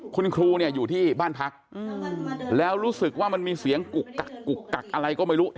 คุณครูเนี่ยอยู่ที่บ้านพักแล้วรู้สึกว่ามันมีเสียงกุกกักกุกกักอะไรก็ไม่รู้